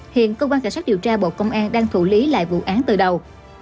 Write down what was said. hiện cơ quan cảnh sát điều tra bộ công an đang thủ lý lại vụ án từ đầu